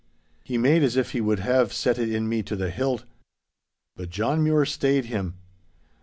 He made as if he would have set it in me to the hilt. But John Mure stayed him.